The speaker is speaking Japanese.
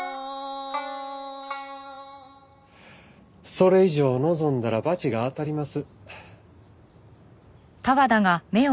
それ以上を望んだらバチが当たります。